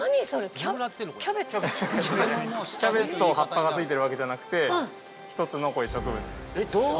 キャベツと葉っぱが付いてるわけじゃなくて。